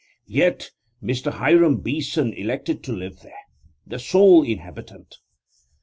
Yet Mr. Hiram Beeson elected to live there, the sole inhabitant.